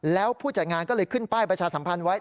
แล้วผู้จัดงานก็เลยขึ้นป้ายประชาสัมพันธ์ไว้